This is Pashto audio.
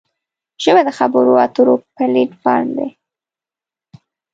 ژبه د خبرو اترو پلیټ فارم دی